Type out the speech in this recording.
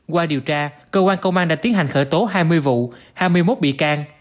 qua điều tra công an đã tiến hành khởi tố hai mươi vụ hai mươi một bị can